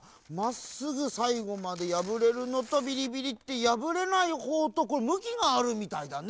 まっすぐさいごまでやぶれるのとビリビリッてやぶれないほうとこれむきがあるみたいだね。